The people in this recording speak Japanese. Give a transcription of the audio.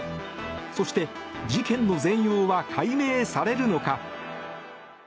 そして、事件の全容は解明されるのか。